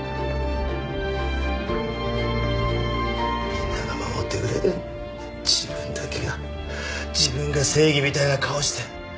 みんなが守ってくれて自分だけが自分が正義みたいな顔して。